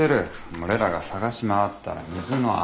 俺らが捜し回ったら水の泡。